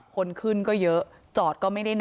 คนขึ้นก็เยอะจอดก็ไม่ได้หนัก